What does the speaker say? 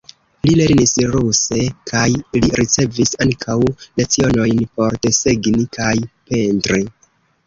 Li lernis ruse kaj li ricevis ankaŭ lecionojn por desegni kaj pentri.